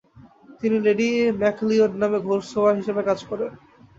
তিনি Lady McLeod নামে ঘোড়শওয়ার হিসেবে কাজ করেন।